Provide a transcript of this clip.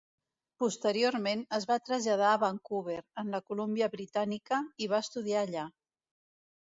Posteriorment, es va traslladar a Vancouver, en la Columbia Britànica, i va estudiar allà.